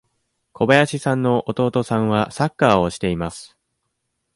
小林さんの弟さんはサッカーをしています。